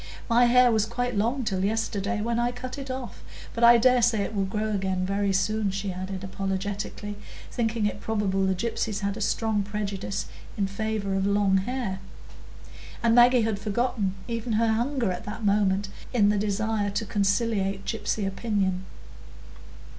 "My hair was quite long till yesterday, when I cut it off; but I dare say it will grow again very soon," she added apologetically, thinking it probable the gypsies had a strong prejudice in favour of long hair. And Maggie had forgotten even her hunger at that moment in the desire to conciliate gypsy opinion.